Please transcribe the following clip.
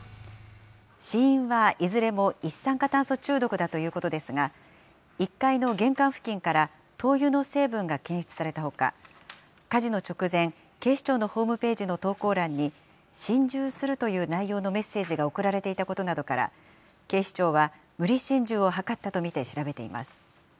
死因はいずれも一酸化炭素中毒だということですが、１階の玄関付近から灯油の成分が検出されたほか、火事の直前、警視庁のホームページの投稿欄に、心中するという内容のメッセージが送られていたことなどから、警視庁は無理心中を図ったと見て調べています。